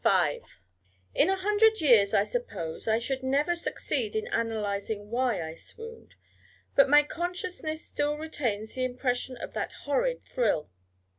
In a hundred years, I suppose, I should never succeed in analysing why I swooned: but my consciousness still retains the impression of that horrid thrill.